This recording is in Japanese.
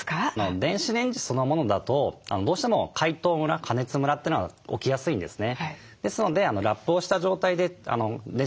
電子レンジそのものだとどうしても解凍ムラ加熱ムラというのが起きやすいんですね。